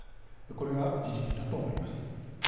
これが事実だと思います。